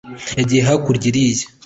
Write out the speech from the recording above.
yagiye hakurya iriya